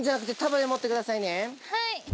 はい。